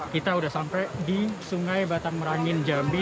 kita sudah sampai di sungai batang merangin jambi